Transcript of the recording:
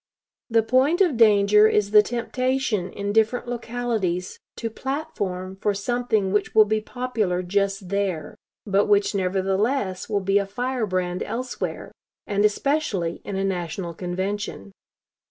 The point of danger is the temptation in different localities to 'platform' for something which will be popular just there, but which, nevertheless, will be a firebrand elsewhere, and especially in a national convention.